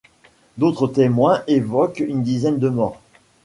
D'autres témoins évoquent une dizaine de morts.